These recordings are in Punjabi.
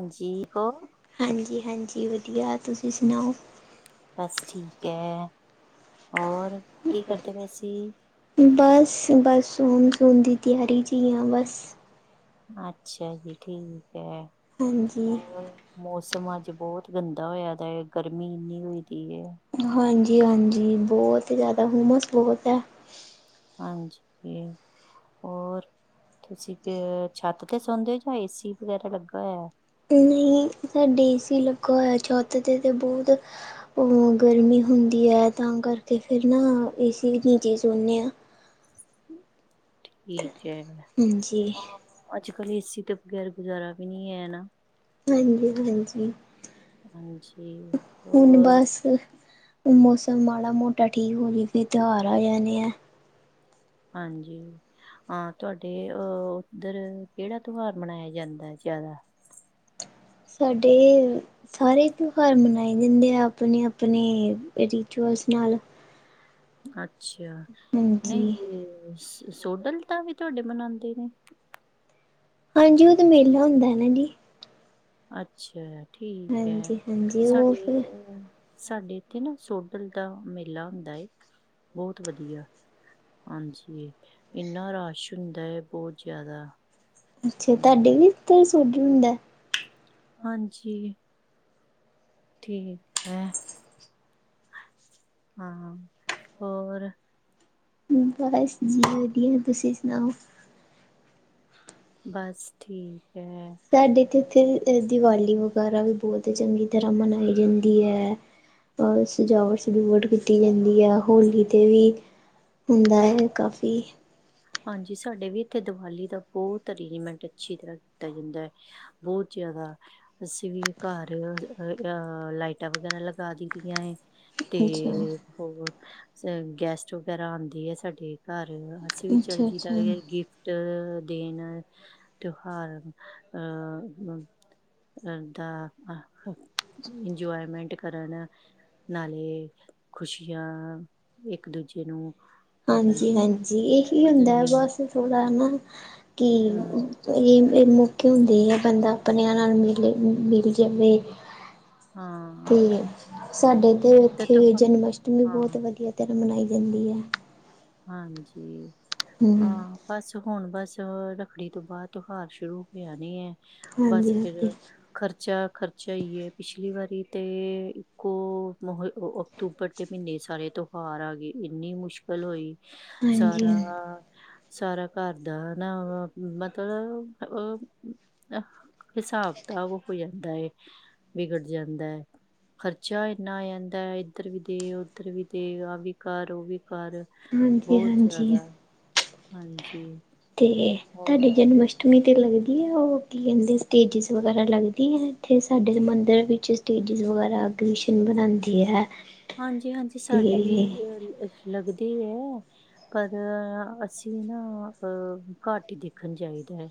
ਹਾਂ ਹਾਂਜੀ-ਹਾਂਜੀ, ਵਧੀਆ ਤੁਸੀਂ ਸੁਣਾਓ? ਬਸ ਠੀਕ ਹੈ। ਹੋਰ ਕੀ ਕਰਦੇ ਪਏ ਸੀ ਬਸ-ਬੱਸ ਹੁਣ ਸੋਣ ਦੀ ਤਿਆਰੀ 'ਚ ਹੀ ਹਾਂ ਬਸ। ਅੱਛਾ ਜੀ ਠੀਕ ਹੈ। ਹਾਂਜੀ। ਹੋਰ ਮੌਸਮ ਅੱਜ ਬਹੁਤ ਗੰਦਾ ਹੋਇਆ ਦਾ, ਗਰਮੀ ਇੰਨੀ ਹੋਈ ਦੀ। ਹਾਂਜੀ-ਹਾਂਜੀ, ਬਹੁਤ ਜ਼ਿਆਦਾ ਹੁਮਸ ਬਹੁਤ ਹੈ। ਹਾਂਜੀ। ਹੋਰ ਤੁਸੀਂ ਕਿ ਛੱਤ ਤੇ ਸੌਦੇ ਹੋ ਜਾਂ ਏਸੀ ਵਗੈਰਾ ਲੱਗਾ ਹੋਇਆ? ਨਹੀਂ, ਸਾਡੇ ਏਸੀ ਲੱਗਾ ਹੋਇਆ ਛੱਤ ਤਾਂ ਬਹੁਤ ਉਹ ਗਰਮੀ ਹੁੰਦੀ ਹੈ ਤਾਂ ਕਰਕੇ ਫਿਰ ਨਾ ਏ ਸੀ ਨੀਚੇ ਸੌਂਦੇ ਹਾਂ। ਠੀਕ ਹੈ, ਹਾਂਜੀ, ਅੱਜ-ਕੱਲ੍ਹ ਏਸੀ ਤੋਂ ਬਗੈਰ ਗੁਜ਼ਾਰਾ ਵੀ ਨਹੀਂ ਹੈਨਾ। ਹਾਂਜੀ-ਹਾਂਜੀ। ਹਾਂਜੀ। ਹੁਣ ਹੋਰ ਬਸ ਮੌਸਮ ਮਾੜਾ-ਮੋਟਾ ਠੀਕ ਹੋ ਜਾਵੇ ਫਿਰ ਤਿਉਹਾਰ ਆ ਜਾਣੇ ਆ। ਹਾਂਜੀ। ਹਾਂ, ਤੁਹਾਡੇ ਅਹ ਉੱਧਰ ਕਿਹੜਾ ਤਿਉਹਾਰ ਮਨਾਇਆ ਜਾਂਦਾ ਜ਼ਿਆਦਾ? ਸਾਡੇ ਸਾਰੇ ਤਿਉਹਾਰ ਮਨਾਏ ਜਾਂਦੇ ਆ ਆਪਣੇ-ਆਪਣੇ ਰਿਚੁਅਲਸ ਨਾਲ। ਅੱਛਾ, ਹਾਂਜੀ ਨਹੀਂ ਸੋਡਲ ਤਾਂ ਵੀ ਤੁਹਾਡੇ ਮਨਾਉਂਦੇ ਨੇ। ਹਾਂਜੀ, ਉਹ ਤਾਂ ਮੇਲਾ ਹੁੰਦਾ ਹੈਨਾ ਜੀ। ਅੱਛਾ, ਠੀਕ ਹੈ ਹਾਂਜੀ ਹਾਂਜੀ ਉਹ ਸਾਡੇ ਫਿਰ ਉਹ ਸਾਡੇ ਇੱਥੇ ਨਾ ਸੋਡਲ ਦਾ ਮੇਲਾ ਹੁੰਦਾ ਬਹੁਤ ਵਧੀਆ। ਹਾਂਜੀ, ਇੰਨਾ ਰਸ਼ ਹੁੰਦਾ ਹੈ ਬਹੁਤ ਜ਼ਿਆਦਾ। ਅੱਛਾ, ਤੁਹਾਡੇ ਹਮ, ਵੀ ਇਥੇ ਸੋਡਲ ਸੋਝ ਹੁੰਦਾ। ਹਾਂਜੀ। ਠੀਕ ਹੈਂ। ਹਾਂ, ਹੋਰ ਬਸ ਜੀ ਵਧੀਆ, ਤੁਸੀਂ ਸੁਣਾਓ? ਬਸ ਠੀਕ ਹੈ। ਸਾਡੇ ਇਥੇ- ਇੱਥੇ ਦੀਵਾਲੀ ਵਗੈਰਾ ਵੀ ਬਹੁਤ ਚੰਗੀ ਤਰ੍ਹਾਂ ਮਨਾਈ ਜਾਂਦੀ ਹੈ। ਬਹੁਤ ਸਜਾਵਟ-ਸੁਜੁਵਟ ਕੀਤੀ ਜਾਂਦੀ ਹੈ ਹੋਲੀ ਤੇ ਵੀ ਹੁੰਦਾ ਹੈ ਕਾਫੀ ਹਾਂਜੀ, ਸਾਡੇ ਵੀ ਇੱਥੇ ਦੀਵਾਲੀ ਦਾ ਬਹੁਤ ਅਰੇਂਜਮੈਂਟ ਅੱਛੀ ਤਰ੍ਹਾਂ ਕੀਤਾ ਜਾਂਦਾ ਹੈ। ਬਹੁਤ ਜ਼ਿਆਦਾ। ਅਸੀਂ ਵੀ ਘਰ ਅ ਲਾਈਟਾਂ ਵਗੈਰਾ ਲਗਾ ਦੀਦਿਆ ਵਾ। ਤੇ ਅੱਛਾ ਹੋਰ ਅ ਗੈਸਟ ਵਗੈਰਾ ਆਉਂਦੀ ਹੈ ਸਾਡੇ ਘਰ ਅੱਛਾ ਚੱਗੀ ਤਰਹ ਅੱਛਾ ਗਿਫਟ ਗਿਫਟ ਦੇਨ ਤਿਉਹਾਰ ਅਹ ਕਰਦਾ ਇੰਜੋਏਮੈਂਟ ਕਰਨ ਨਾਲੇ ਖੁਸ਼ੀਆਂ ਇੱਕ ਦੂਜੇ ਨੂੰ ਮਤਲਬ ਹਾਂਜੀ-ਹਾਂਜੀ, ਇਹੀ ਕਿ ਹੁੰਦਾ ਵਧਾਈਆਂ ਬਸ ਥੋੜਾ ਸਮਝਾਣਾ ਕਿ ਹਮ ਇਹ ਮੌਕੇ ਹੁੰਦੇ ਆ ਬੰਦਾ ਆਪਣਿਆਂ ਨਾਲ ਮਿਲੇ-ਮਿਲ ਜਾਵੇ। ਤੇ ਹਾਂ ਸਾਡੇ ਤੇ ਤੂੰ ਇਥੇ-ਇੱਥੇ ਜਨਮ ਅਸ਼ਟਮੀ ਬਹੁਤ ਹਾਂ ਵਧੀਆ ਧਰ੍ਹਾਂ ਮਨਾਈ ਜਾਂਦੀ ਹੈ। ਹੂੰ ਹਾਂਜੀ-ਹਾਂ। ਬਸ ਹੁਣ, ਬਸ ਰੱਖੜੀ ਤੋਂ ਬਾਅਦ ਤਿਉਹਾਰ ਸ਼ੁਰੂ ਹੋ ਜਾਣੇ ਹਾ। ਬਸ ਹਾਂਜੀ-ਹਾਂਜੀ, ਫੇਿਰ ਖਰਚਾ-ਖਰਚਾ ਹੀ ਹੈ, ਪਿਛਲੀ ਵਾਰੀ ਤੇ ਇੱਕੋ ਅਕਤੂਬਰ ਤੇ ਮਹੀਨੇ ਸਾਰੇ ਤਿਉਹਾਰ ਆ ਗਏ ਇੰਨੀ ਮੁਸ਼ਕਿਲ ਹੋਈ। ਸਾਰਾ ਸਾਰਾ ਘਰ ਦਾ ਨਾ ਮਤਲਬ ਉਹ ਹਿਸਾਬ ਕਿਤਾਬ ਹੋ ਜਾਂਦਾ ਹੈ, ਵਿਗੜ ਜਾਂਦਾ ਹੈ। ਖਰਚਾ ਇੰਨਾ ਆ ਜਾਂਦਾ ਇੱਧਰ ਵੀ ਦੇ, ਉੱਧਰ ਵੀ ਦੇ ਆਹ ਵੀ ਕਰ, ਉਹ ਵੀ ਕਰ ਬਹੁਤ ਹਾਂਜੀ-ਹਾਂਜੀ-ਹਾਂਜੀ ਜ਼ਿਆਦਾ, ਹਾਂਜੀ। ਠੀਕ ਏ ਤੇ ਤੁਹਾਡੀ ਹੋਰ ਜਨਮ ਅੱਠਮੀ ਤੇ ਲੱਗਦੀ ਹੈ ਉਹ, ਕਿ ਕਹਿੰਦੇ ਸਟੇਜਿਸ ਵਗੈਰਾ ਲੱਗਦੀ ਹੈ ਇੱਥੇ ਸਾਡੇ ਮੰਦਰ ਵਿੱਚ ਸਟੇਜਿਸ ਵਗੈਰਾ ਐਗਜਿਸ਼ਨ ਬਣਾਉਦੀ ਹੈ। ਹਾਂਜੀ-ਹਾਂਜੀ, ਸਾਡੇ ਤੇ ਵੀ ਅ ਲੱਗਦੇ ਏ ਪਰ, ਅਸੀਂ ਨਾ, ਘੱਟ ਹੀ ਦੇਖਣ ਜਾਈਦਾ ਹੈ।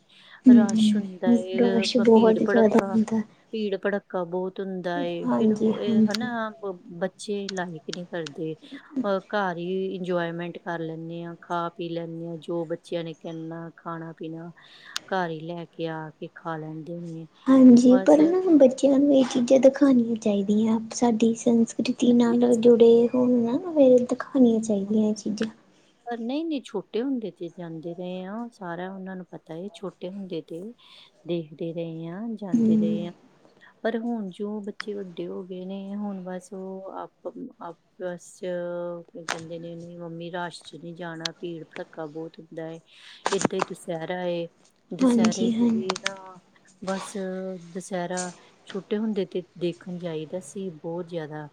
ਰਸ਼ ਹਮ ਹੁੰਦਾ ਏ, ਰਸ਼ ਭੀੜ ਬਹੁਤ ਜ਼ਿਆਦਾ -ਭੜਖਾ ਹੁੰਦਾ ਭੀੜ- ਭੜੱਕਾ ਬਹੁਤ ਹੁੰਦਾ ਏ। ਫੇਰ ਹਾਂਜੀ ਉਹ ਇਹ ਹਾਂਜੀ ਹਨਾ ਬੱਚੇ ਲਾਈਕ ਨੀ ਕਰਦੇ। ਘਰ ਹੀ ਇੰਜੋਏਮੈਂਟ ਕਰ ਲੈਂਦੇ ਹਾਂ। ਖਾ-ਪੀ ਲੈਂਦੇ ਹਾਂ, ਜੋ ਬੱਚਿਆਂ ਨੇ ਕਹਨਾ ਖਾਣਾ- ਪੀਣਾ ਘਰ ਹੀ ਲੈ ਕੇ ਆ ਕੇ ਖਾ ਲੈਂਦੇ ਨੇ ਹਾਂਜੀ, ਬਸ ਪਰ ਨਾ ਬੱਚਿਆਂ ਨੂੰ ਇਹ ਚੀਜ਼ਾਂ ਦਿਖਾਣੀਆਂ ਚਾਹੀਦੀਆਂ ਸਾਡੀ ਸੰਸ -ਕ੍ਰਿਤੀ ਨਹੀਂ-ਨਹੀਂ ਨਾਲ ਜੁੜੇ ਹੋਣ ਨਾ, ਫੇਰੇ ਦਿਖਾਣੀਆਂ ਚਾਹੀਦੀਆਂ ਇਹ ਚੀਜ਼ਾਂ ਪਰ ਨਹੀਂ-ਨਹੀਂ ਛੋਟੇ ਹੁੰਦੇ ਤੇ ਜਾਂਦੇ ਰਹੇ ਆ, ਸਾਰਾ ਉਹਨਾਂ ਨੂੰ ਪਤਾ ਹੈ, ਛੋਟੇ ਹੁੰਦੇ ਤੇ ਦੇਖਦੇ ਰਹੇ ਹਾਂ, ਜਾਂਦੇ ਰਹੇ ਹਮ ਹਾਂ। ਪਰ ਹੁਣ ਜੋ ਬੱਚੇ ਵੱਡੇ ਹੋ ਗਏ ਨੇ ਹੁਣ ਬਸ ਉਹ ਆਪ -ਪਸ ਚ -ਚ- ਚ ਬਸ ਕਹਿੰਦੇ ਨੇ ਉਹ ਮੰਮੀ ਰਾਸ਼ ਚ ਨਹੀਂ ਜਾਣਾ ਭੀੜ -ਭੜੱਕਾ ਬਹੁਤ ਹੁੰਦਾ ਏ, ਏਦਾਂ ਹੀ ਦੁਸਹਿਰਾ ਏ ਦੁਸਹਿਰੇ ਹਾਂਜੀ ਤੇ ਹਾਂ ਵੀ ਨਾ, ਬਸ ਦੁਸਹਿਰਾ ਛੋਟੇ ਹੁੰਦੇ ਤੇ ਦੇਖਣ ਜਾਈਦਾ ਸੀ ਬਹੁਤ ਜ਼ਿਆਦਾ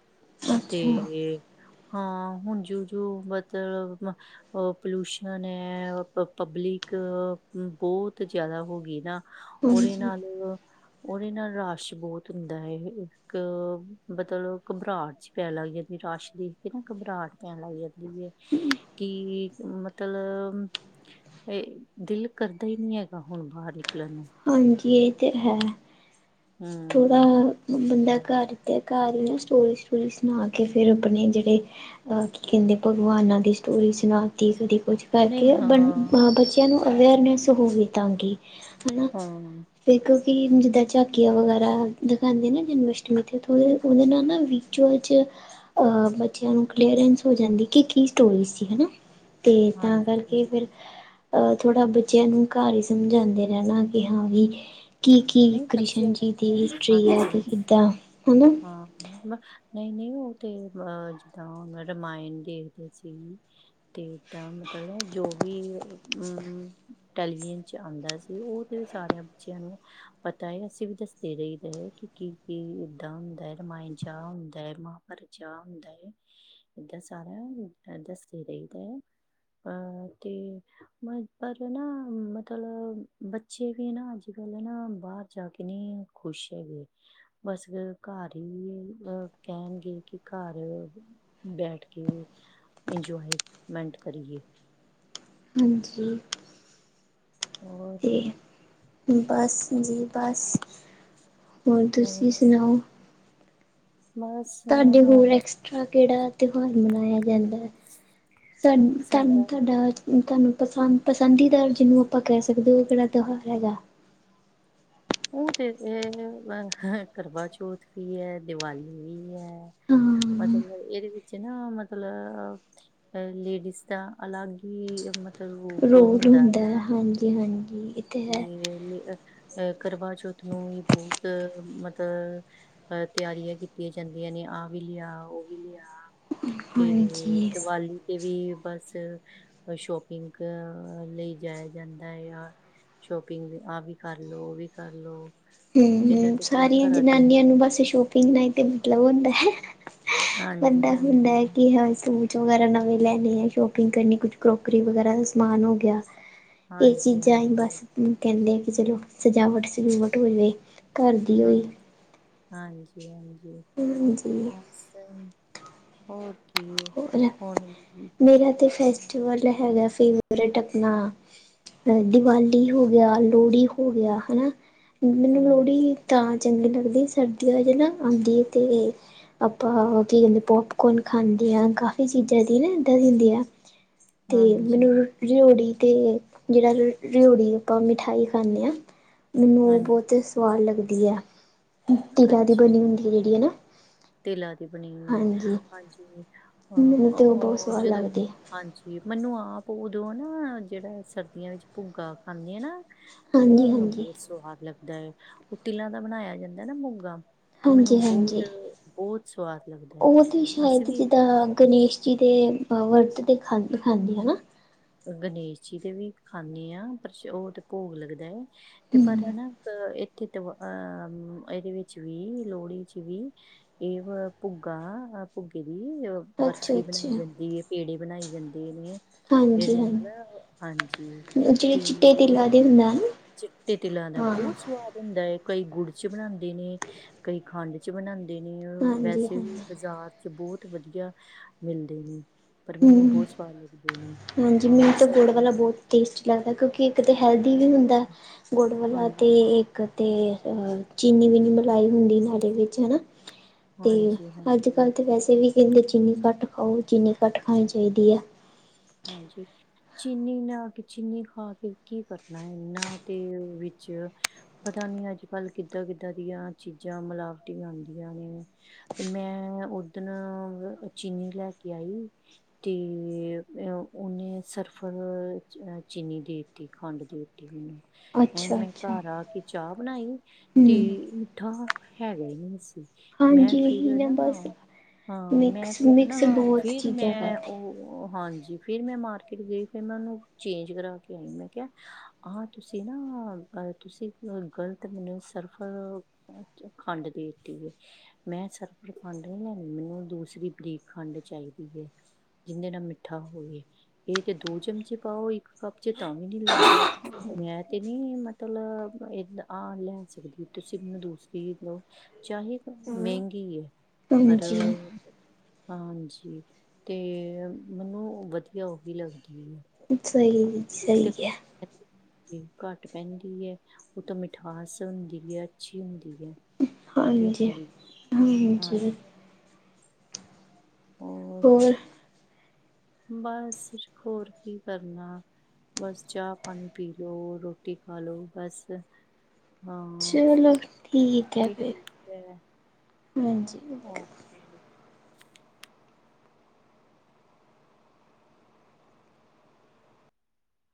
ਅੱਛਾ ਤੇ ਹਾਂ ਹੁਣ ਜੁ -ਜੁ ਮਤਲਬ ਪੋਲਊਸ਼ਨ ਹੈ, ਪਬਲਿਕ ਬਹੁਤ ਜ਼ਿਆਦਾ ਹੋ ਗਈ ਨਾ ਉਹਦੇ ਹਾਂਜੀ ਨਾਲ -ਉਹਦੇ ਨਾਲ ਰਸ਼ ਬਹੁਤ ਹੁੰਦਾ ਹੈ। ਇੱਕ ਮਤਲਬ ਘਬਰਾਹਟ ਚ ਪੈਣ ਲੱਗ ਜਾਂਦੀ ਰਸ਼ ਦੇਖ ਨਾ, ਘਬਰਾਹਟ ਪੈਣ ਲੱਗ ਜਾਂਦੀ ਏ ਕਿ ਮਤਲਬ ਇਹ ਦਿਲ ਕਰਦਾ ਹੀ ਨਹੀਂ ਹੈਗਾ ਹੁਣ ਬਾਹਰ ਨਿਕਲਣ ਨੂੰ ਹਾਂਜੀ, ਇਹ ਤੇ ਹੈ। ਥੋੜ੍ਹਾ ਹਮ ਬੰਦਾ ਘਰ ਤੇ ਘਰ ਨਾ ਸਟੋਰੀ-ਸਟੋਰੀ ਸੁਣਾ ਕੇ ਫੇਰ ਆਪਣੇ ਜਿਹੜੇ ਕੀ ਕਹਿੰਦੇ ਭਗਵਾਨਾਂ ਦੀ ਸਟੋਰੀ ਸੁਣਾਤੀ ਕਦੇ ਕੁਝ ਨਹੀਂ ਕਰਕੇ ਬ ਹਾਂ ਅ ਬੱਚਿਆਂ ਨੂੰ ਅਵੇਅਰਨੈਸ ਹੋਵੇ ਤਾਕੀ ਹਨਾ ਹਾਂ ਦੇਖੋ ਕਿ ਜਿੱਦਾਂ ਚ ਗਿਆ ਵਗੈਰਾ ਦਿਖਉਂਦੇ ਨਾ ਜਨਮਸ਼ਟਮੀ 'ਤੇ ਉਹਦੇ ਨਾਲ ਨਾ ਵਿਚੋਂ -ਵਿਚ ਅ ਬੱਚਿਆਂ ਨੂੰ ਕਲੀਅਰੈਂਸ ਹੋ ਜਾਂਦੀ ਸੀ ਕਿ ਸਟੋਰੀ ਸੀ ਹਨਾ ਤੇ ਤਾਂ ਹਾਂਜੀ ਕਰਕੇ ਹਾਂਜੀ ਫਿਰ ਅਹ ਥੋੜਾ ਬੱਚਿਆਂ ਨੂੰ ਘਰ ਹੀ ਸਮਝਾਉਂਦੇ ਰਹਿਣਾ ਕਿ ਹਾਂ ਵੀ ਕੀ ਕੀ ਨਹੀਂ ਬੱਚਿਆਂ ਕ੍ਰਿਸ਼ਨ ਜੀ ਦੀ ਹਿਸਟਰੀ ਹੈ ਕਿ ਹਾਂਜੀ ਕਿੱਦਾਂ, ਹਨਾ। ਨਹੀਂ -ਨਹੀਂ ਉਹ ਤੇ ਅ ਜਿੱਦਾਂ ਹਣ ਰਾਮਾਇਣ ਦੇਖਦੇ ਸੀ। ਤੇ ਇੱਦਾਂ ਮਤਲਬ ਜੋ ਵੀ ਮ -ਮ -ਮ ਟੈਲੀਵਿਜ਼ਨ 'ਚ ਆਉਂਦਾ ਸੀ। ਉਹ ਤੇ ਵੀ ਸਾਰਿਆਂ ਬੱਚਿਆਂ ਨੂੰ ਪਤਾ ਹੈ ਅਸੀਂ ਵੀ ਦੱਸਦੇ ਰਹੀ ਦਾ ਹੈ ਕਿ ਕੀ -ਕੀ -ਡਾ ਹੁੰਦਾ ਹੈ ਰਾਮਾਇਣ 'ਚ ਆਹ ਹੁੰਦਾ ਹੈ। ਮਹਾਭਾਰਤ 'ਚ ਆਹ ਹੁੰਦਾ ਹੈ। ਏਦਾਂ ਸਾਰਾ ਦੱਸਦੇ ਰਹੀਦਾ ਹੈ। ਪਰ ਤੇ ਪਰ ਨਾ ਮਤਲਬ ਬੱਚੇ ਵੀ ਨਾ ਅੱਜ- ਕੱਲ੍ਹ ਨਾ ਬਾਹਰ ਜਾ ਕੇ ਨੀ ਖੁਸ਼ ਹੈਗੇ। ਬਸ ਘਰ ਹੀ ਅਹ ਕਹਿਣਗੇ ਕਿ ਘਰ ਬੈਠ ਕੇ ਇੰਜੋਏ -ਮੈਂਟ ਕਰੀਏ। ਹਾਂਜੀ ਔਰ ਤੇ ਬਸ ਜੀ ਬਸ, ਹੋਰ ਤੁਸੀਂ ਸੁਣਾਓ? ਬਸ ਤੁਹਾਡੇ ਹੋਰ ਹੁਣ ਐਕਸਟਰਾ ਕਿਹੜਾ ਤਿਉਹਾਰ ਮਨਾਇਆ ਜਾਂਦਾ ਹੈ। ਸਾ ਤੁਹਾਨੂੰ ਸਾਡਾ ਤੁਹਾਡਾ ਤੁਹਾਨੂੰ ਪਸੰਦ ਪਸੰਦੀਦਾਰ ਜਿਹਨੂੰ ਆਪਾਂ ਕਹਿ ਸਕਦੇ ਹਾਂ, ਉਹ ਕਿਹੜਾ ਤਿਉਹਾਰ ਹੈਗਾ। ਉਹ ਤੇ ਇਹ ਕਰਵਾਚੌਥ ਵੀ ਹੈ, ਦੀਵਾਲੀ ਵੀ ਹੈ। ਹਾਂ ਮਤਲਬ ਇਹਦੇ ਵਿੱਚ ਤੇ ਨਾ ਮਤਲਬ ਅ ਲੇਡੀਜ਼ ਦਾ ਅਲੱਗ ਈ ਮਤ ਤੇ ਰੁਕ ਹੁੰਦਾ ਨਾ। ਜੀ ਹਾਂਜੀ, ਤੇ ਹੈ ਨਵੀਂ ਵਿਅੋਹਲੀ ਤੇ ਕਰਵਾ ਚੌਥ ਨੂੰ ਵੀ ਬੋਤ ਮਤਲ ਅ ਤਿਆਰੀਆਂ ਕੀਤੀਆਂ ਜਾਂਦੀਆਂ ਨੇ, ਆਹ ਵੀ ਲਿਆ ਉਹ ਵੀ ਲਿਆ। ਤੇ ਹਾਂਜੀ ਦਵਾਲੀ ਤੇ ਵੀ ਬਸ ਸ਼ੋਪਿੰਗ ਲਈ ਜਾਇਆ ਜਾਂਦਾ ਆ। ਸ਼ੋਪਿੰਗ ਆਹ ਵੀ ਕਰ ਲੋ, ਉਹ ਵੀ ਕਰ ਲੋ। ਪਹਿਲਾਂ ਹੂੰ-ਹੂੰ, ਤੇ ਘ- ਸਾਰੀਆਂ ਘਰਾਂ ਦੇ ਜਨਾਨੀਆਂ ਨੂੰ ਬਸ ਸ਼ੋਪਿੰਗ ਨਾਲ ਹੀ ਤੇ ਮਤਲਬ ਹੁੰਦਾ। ਹਾਂਜੀ ਬੰਦਾ ਹੁੰਦਾ ਹੈ, ਹਾਂਜੀ ਕਿ ਹੋਰ ਸੂਟ ਵਗੈਰਾ ਨਵੇਂ ਲੈਣੇ ਐ, ਸ਼ੋਪਿੰਗ ਕਰਨੀ, ਕੁਛ ਕਰੋਕਰੀ ਵਗੈਰਾ ਦਾ ਸਮਾਨ ਹੋ ਗਿਆ। ਇਹ ਹਾਂਜੀ ਚੀਜ਼ਾਂ ਹੀ ਹਾਂਜੀ ਬਸ ਕਹਿੰਦੇ ਆ, ਕਿ ਚਲੋ ਸਜਾਵਟ ਸੁਜਾਵਟ ਹੋਵੇ। ਹਾਂ, ਹਾਂਜੀ- ਹਾਂਜੀ ਹਾਂਜੀ ਬਸ ਹੋਰ ਕੀ ਏ, ਹੋਰ ਹੁਣ ਮੇਰਾ ਤੇ ਫੈਸ ਇਹ ਵਾਲਾ ਹੈਗਾ ਫੇਵਰੇਟ ਆਪਣਾ। ਅਹ ਦੀਵਾਲੀ ਹੋ ਗਿਆ, ਲੋਹੜੀ ਹੋ ਗਿਆ ਹਨਾ, ਮੈਨੂੰ ਹਮ ਲੋਹੜੀ ਤਾਂ ਚੰਗੀ ਲੱਗਦੀ ਏ, ਸਰਦੀਆਂ ਚ ਨਾ ਆਂਦੀ ਤੇ। ਆਪਾਂ ਹੋਰ ਕੀਦੇ ਪੋਪਕੋਨ ਖਾਣ ਦੀਆਂ ਕਾਫੀ ਚੀਜ਼ਾਂ ਦੀ ਨਾ ਇੱਦਾਂ ਦੀ ਹੁੰਦੇ ਆ, ਤੇ ਹਾਂਜੀ ਮੈਨੂੰ ਲੋਹੜੀ ਤੇ ਜਿਹੜਾ ਰਿਓ ਰਿਓੜੀ ਆਪਾਂ ਮਿਠਾਈ ਖਾਂਨੇ ਹਾਂ। ਮੈਨੂੰ ਉਹ ਹਾਂਜੀ ਬਹੁਤ ਸਵਾਦ ਲੱਗਦੀ ਐ, ਤਿਲਾਂ ਦੀ ਅੱਛਾ ਬਣੀ ਜੀ ਹੁੰਦੀ ਐ ਜਿਹੜੀ ਹੈ ਨਾ। ਤਿਲਾਂ ਦੀ ਬਣੀ ਐ, ਹਾਂਜੀ ਹਾਂਜੀ ਮੈਨੂੰ ਅਹ ਤਾਂ ਬਹੁਤ ਉਹ ਸਵਾਦ ਜਦੋਂ ਲੱਗਦੀ ਹਾਂਜੀ ਮੈਨੂੰ ਆਪ ਉਦੋਂ ਨਾ, ਜਿਹੜਾ ਸਰਦੀਆਂ ਵਿੱਚ ਭੁੱਗਾ ਖਾਂਦੇ ਆ ਨਾ ਤੇ ਉਹ ਹਾਂਜੀ ਮੈਨੂੰ ਹਾਂਜੀ ਬਹੁਤ ਸਵਾਦ ਲੱਗਦਾ, ਉਹ ਤਿਲਾਂ ਦਾ ਬਣਾਇਆ ਜਾਂਦਾ ਨਾ ਮੋਗਾ ਹਾਂਜੀ ਮੈਨੂੰ ਬੋਤ- ਹਾਂਜੀ ਬੋਤ ਸਵਾਦ ਲੱਗਦਾ ਹੈ ਉਹ ਤੀ ਅਸੀਂ ਸ਼ਾਇਦ, ਵੀ ਜਿੱਦਾਂ ਗਣੇਸ਼ ਜੀ ਦੇ ਵਰਤ ਦੇ ਖਾਂ ਖਾਂਦੇ ਹਨਾ। ਗਣੇਸ਼ ਜੀ ਤੇ ਵੀ ਖਾਂਨੇ ਆਂ, ਪਰ ਉਹ ਤੇ ਭੋਗ ਲੱਗਦਾ, ਤੇ ਪਰ ਹੂੰ। ਹਨਾ ਇੱਥੇ ਤੇ ਅਹ ਇਹਦੇ ਵਿੱਚ ਵੀ, ਲੋਹੜੀ ਚ ਵੀ ਇਹ ਵਾ ਭੁੱਗਾ, ਭੁੱਗੇੇ ਦੀ ਬਰਫ਼ੀ ਅੱਛਾ-ਅੱਛਾ, ਬਣਾਈ ਜਾਂਦੀ ਐ, ਪੇੜੇ ਬਣਾਏ ਜਾਂਦੇ ਨੇ। ਇਹਦੇ ਨਾਲ ਹਾਂਜੀ-ਹਾਂਜੀ ਹਾਂਜੀ, ਤਿੰਗ ਤੇਰੇ ਨਾਲ ਚਿੱਟੇ ਤਿਲਾਂ ਦਾ ਬਹੁਤ ਸਵਾਦ ਹੁੰਦਾ ਐ, ਕਈ ਗੁੜ ਚ ਬਣਾਂਦੇ ਨੇ, ਕਈ ਖੰਡ ਚ ਬਣਾਂਦੇ ਨੇ, ਵੈਸੇ ਵੀ ਹਾਂਜੀ-ਹਾਂਜੀ, ਬਾਜ਼ਾਰ ਚ ਬਹੁਤ ਵਧੀਆ ਮਿਲਦੇ ਨੇ। ਪਰ ਮੈਨੂੰ ਹੂੰ। ਬਹੁਤ ਸਵਾਦ ਲੱਗਦੇ ਨੇ, ਹਾਂਜੀ ਮੈਨੂੰ ਹਾਂ ਤਾਂ ਗੁੜ ਸਰਦੀ ਵਾਲਾ ਵੇਲੇ ਬਹੁਤ ਟੇਸਟੀ ਲੱਗਦਾ, ਕਿਉਂਕਿ ਇੱਕ ਤੇ ਹੈਲਦੀ ਵੀ ਹੁੰਦਾ ਗੁੜ ਵਾਲਾ, ਤੇ ਹਾਂਜੀ, ਤੇ ਕਦੇ ਚੀਨੀ ਵੀ ਨੀ ਮਿਲਾਈ ਹੁੰਦੀ ਨਾਲੇ ਵਿੱਚ ਹਨਾ। ਤੇ ਹਾਂਜੀ, ਅੱਜ- ਹਾਂਜੀ, ਕੱਲ੍ਹ ਤੇ ਵੈਸੇ ਵੀ ਕਹਿੰਦੇ ਚੀਨੀ ਘੱਟ ਖਾਓ, ਚੀਨੀ ਘੱਟ ਖਾਣੀ ਚਾਹੀਦੀ ਐ। ਹਾਂਜੀ। ਚੀਨੀ ਨਾ ਕੇ, ਚੀਨੀ ਖਾ ਕੇ ਕੀ ਕਰਨਾ, ਇਨਾਂ ਤੇ ਵਿੱਚ ਪਤਾ ਨੀ ਅੱਜ- ਕੱਲ੍ਹ ਕਿੱਦਾਂ- ਕਿੱਦਾਂ ਦੀਆਂ ਚੀਜ਼ਾਂ ਮਿਲਾਵਟੀ ਆਂਦੀਆਂ ਨੇ। ਮੈਂ ਉਦਨ ਚੀਨੀ ਲੈ ਕੇ ਆਈ ਤੇ ਉਹਨੇ ਸਰਫਰ ਚੀਨੀ ਦੇ ਦਿੱਤੀ, ਖੰਡ ਦੇ ਦਿੱਤੀ ਉਹਨੂੰ। ਐਂ ਮੈਂ ਅੱਛਾ-ਅੱਛਾ। ਘਰ ਆ ਕੇ ਚਾਹ ਬਣਾਈ, ਹੂੰ, ਤੇ ਮਿੱਠਾ ਹੈਗੀ ਹੀ ਨਹੀਂ ਸੀ, ਮੈਂ ਹਾਂਜੀ ਇਹੀ ਫੇਰ ਨਾ ਬਸ ਹਾਂ ਮੈਂ ਮਿਕਸ ਫੇਰ ਨਾ, ਮਿਕਸ ਬਹੁਤ ਫੇਰ ਚੀਜ਼ਾਂ ਮੈਂ ਕਰਦੇ ਉਹ ਹਾਂਜੀ। ਜੀ ਫੇਰ ਮੈਂ ਮਾਰਕੀਟ ਗਈ, ਫੇਰ ਮੈਂ ਉਹਨੂੰ ਚੇਂਜ ਕਰਾ ਕੇ ਆਈ। ਮੈਂ ਕਿਹਾ ਆਹ ਤੁਸੀਂ ਨਾ ਤੁਸੀਂ ਗਲਤ ਮੈਨੂੰ ਸਰਫਲ ਖੰਡ ਦੇਤੀ ਏ! ਮੈਂ ਸਰਫ਼ਰ ਖੰਡ ਨੀ ਲੈਣੀ, ਮੈਨੂੰ ਦੂਸਰੀ ਬਰੀਕ ਖੰਡ ਚਾਹੀਦੀ ਏ। ਜਿੰਨੇ ਦਾ ਮਿੱਠਾ ਹੋਵੇ। ਇਹ ਤੇ ਦੋ ਚਮਚੇ ਪਾਓ ਇੱਕ ਕੱਪ ਚ ਤਾਂ ਵੀ ਨੀ ਲੱਗਦੀ। ਮੈਂ ਤੇ ਨੀ ਮਤਲਬ ਇਦ ਆ ਲੈ ਸਕਦੀ, ਤੁਸੀਂ ਮੈਨੂੰ ਦੂਸਰੀ ਦੋ। ਚਾਹੇ ਮਹਿੰਗੀ ਹੈ। ਪਰ, ਹਾਂਜੀ ਹਾਂਜੀ। ਤੇ। ਮੈਨੂੰ ਵਧੀਆ ਉਹੀ ਲੱਗਦੀ ਹੈ। ਸਹੀ, ਕਿਤੇ ਸਹੀ ਹੈ। ਘੱਟ ਪੈਂਦੀ ਹੈ। ਉਹ ਤੌ ਮਿਠਾਸ ਹੁੰਦੀ ਹੈ ਅੱਛੀ ਹੁੰਦੀ ਹੈ। ਵਧੀਆ ਹਾਂਜੀ ਹੁੰਦੀ, ਹਾਂ। ਹਾਂਜੀ ਹੋਰ? ਬਸ, ਹੋਰ ਕੀ ਕਰਨਾ। ਬਸ, ਚਾਹ- ਪਾਣੀ ਪੀ ਲੋੋ ਰੋਟੀ ਖਾਲੋ ਬਸ। ਹਾਂ, ਚਲੋ ਹੈ ਠੀਕ ਫਿਰ ਹੈ। ਹਾਂਜੀ ਓਕੇ